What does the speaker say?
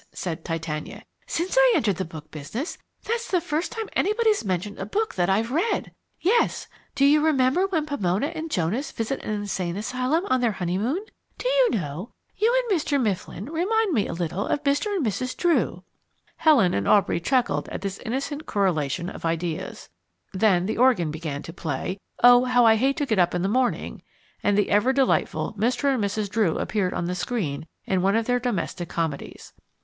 said Titania. "Since I entered the book business, that's the first time anybody's mentioned a book that I've read. Yes do you remember when Pomona and Jonas visit an insane asylum on their honeymoon? Do you know, you and Mr. Mifflin remind me a little of Mr. and Mrs. Drew." Helen and Aubrey chuckled at this innocent correlation of ideas. Then the organ began to play "O How I Hate To Get Up in the Morning" and the ever delightful Mr. and Mrs. Drew appeared on the screen in one of their domestic comedies.